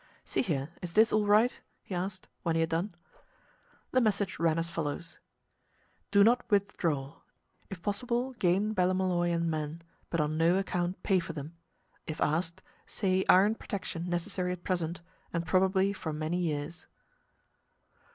"See here is this all right?" he asked, when he had done. The message ran as follows: "Do not withdraw. If possible gain Ballymolloy and men, but on no account pay for them. If asked, say iron protection necessary at present, and probably for many years."